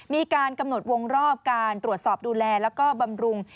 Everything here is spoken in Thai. มีการกำหนดวงรอบการตรวจสอบดูแลแล้วก็บำรุง